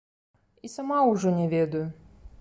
І сама ўжо не ведаю.